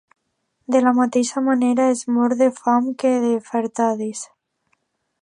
De la mateixa manera es mor de fam que de fartades.